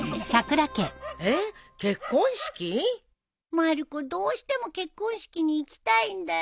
まる子どうしても結婚式に行きたいんだよ。